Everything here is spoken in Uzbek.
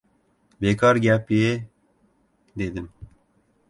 — Bekor gap-ye! — dedim.